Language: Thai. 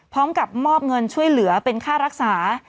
พร้อมกับมอบเงินช่วยเหลือเป็นค่ารักษา